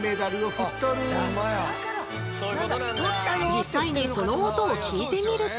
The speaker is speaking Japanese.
実際にその音を聞いてみると。